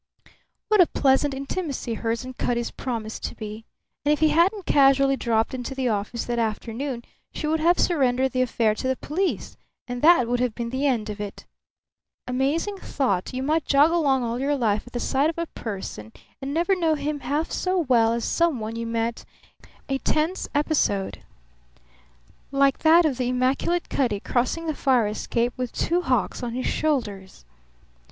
What a pleasant intimacy hers and Cutty's promised to be! And if he hadn't casually dropped into the office that afternoon she would have surrendered the affair to the police, and that would have been the end of it. Amazing thought you might jog along all your life at the side of a person and never know him half so well as someone you met m a tense episode, like that of the immaculate Cutty crossing the fire escape with Two Hawks on his shoulders!